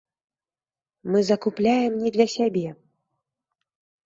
Мы закупляем не для сябе.